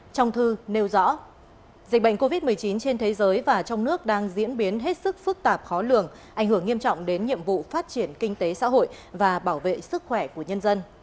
trong thư nêu rõ dịch bệnh covid một mươi chín trên thế giới và trong nước đang diễn biến hết sức phức tạp khó lường ảnh hưởng nghiêm trọng đến nhiệm vụ phát triển kinh tế xã hội và bảo vệ sức khỏe của nhân dân